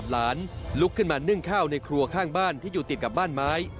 ลุกขึ้นมานึ่งข้าวในครัวข้างบ้านที่อยู่ติดกับบ้านไม้